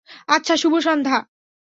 আচ্ছা, শুভ সন্ধ্যা।